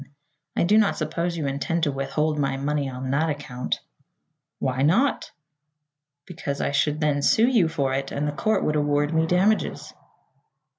I do not suppose you intend to withhold my money on that account." "Why not?" "Because I should then sue you for it and the court would award me damages."